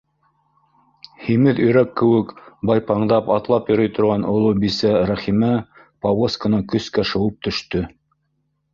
Һимеҙ өйрәк кеүек байпаңдап атлап йөрөй торған оло бисә Рәхимә повозканан көскә шыуып төштө.